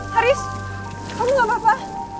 haris kamu gak apa apa